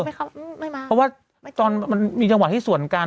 เพราะว่ามันมีจังหวะที่ส่วนการ